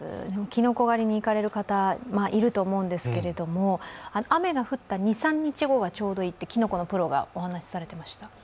きのこ狩りに行かれる方、いると思うんですけれども雨が降った２３日後がいいときのこのプロがお話しされていました。